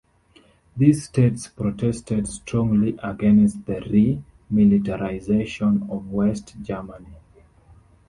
These states protested strongly against the re-militarization of West Germany.